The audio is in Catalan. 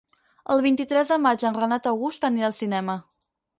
El vint-i-tres de maig en Renat August anirà al cinema.